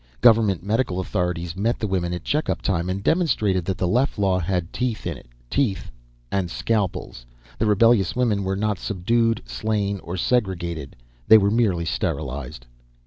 Government medical authorities met the women at checkup time and demonstrated that the Leff Law had teeth in it. Teeth, and scalpels. The rebellious women were not subdued, slain, or segregated they were merely sterilized.